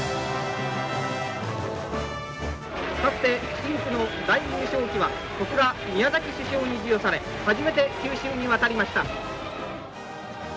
深紅の大優勝旗は小倉宮崎主将に授与され初めて九州に渡りました。